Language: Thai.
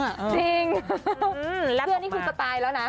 จริงแล้วเพื่อนนี่คือสไตล์แล้วนะ